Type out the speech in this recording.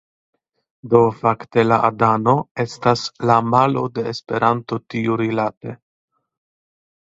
Do fakte, Láadano estas la malo de Esperanto tiurilate